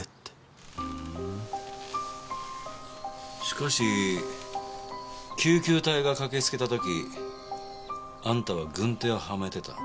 しかし救急隊が駆けつけた時あんたは軍手をはめてた。